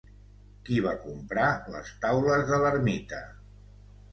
Qui va comprar les taules de l'ermita?